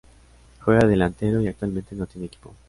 Juega de delantero y actualmente no tiene equipo.